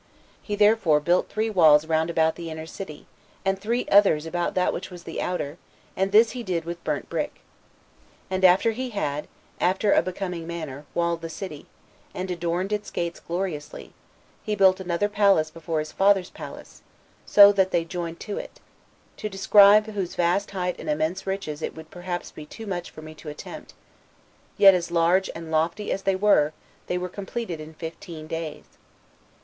He therefore built three walls round about the inner city, and three others about that which was the outer, and this he did with burnt brick. And after he had, after a becoming manner, walled the city, and adorned its gates gloriously, he built another palace before his father's palace, but so that they joined to it; to describe whose vast height and immense riches it would perhaps be too much for me to attempt; yet as large and lofty as they were, they were completed in fifteen days.